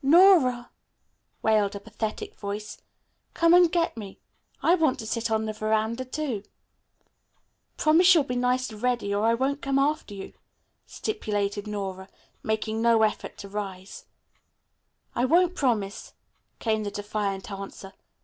"N o r a," wailed a pathetic voice. "Come and get me. I want to sit on the veranda, too." "Promise you'll be nice to Reddy, or I won't come after you," stipulated Nora, making no effort to rise. "I won't promise," came the defiant answer.